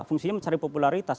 fungsinya mencari popularitas